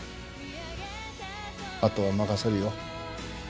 あとは任せるよ。